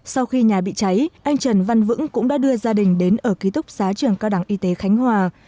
sau khi nhà bị cháy anh trần văn vững cũng đã đưa gia đình đến ở ký túc xá trường cao đẳng y tế khánh hòa